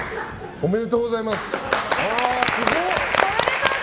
おめでとうございます。